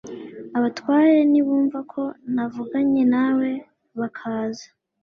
abatware nibumva ko navuganye nawe bakaza